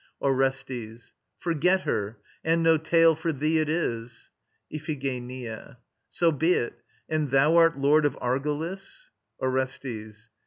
ORESTES. Forget her! ... And no tale for thee it is. IPHIGENIA. So be it. And thou art Lord of Argolis? ORESTES.